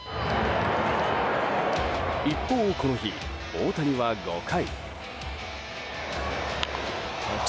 一方、この日大谷は５回。